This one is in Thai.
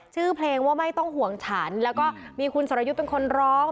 ชื่อเพลงว่าไม่ต้องห่วงฉันแล้วก็มีคุณสรยุทธ์เป็นคนร้อง